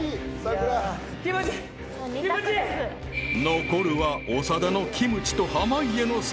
［残るは長田のキムチと濱家のさくら］